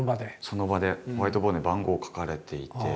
その場でホワイトボードに番号書かれていて。